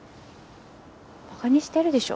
馬鹿にしてるでしょ。